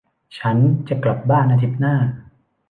ฉันจะกลับบ้านอาทิตย์หน้า